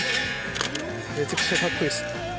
めちゃくちゃカッコいいです。